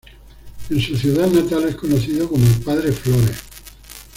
En su ciudad natal es conocido como el Padre Flores.